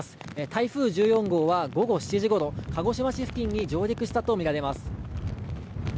台風１４号は午後７時ごろ鹿児島市付近に上陸したとみられます。